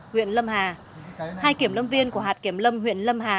hai kiểm lâm viên của hạt kiểm lâm huyện lâm hà